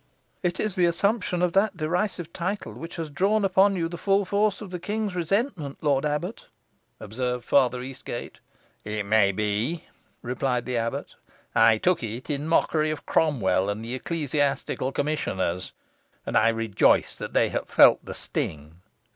"It is the assumption of that derisive title which has drawn upon you the full force of the king's resentment, lord abbot," observed Father Eastgate. "It may be," replied the abbot. "I took it in mockery of Cromwell and the ecclesiastical commissioners, and I rejoice that they have felt the sting.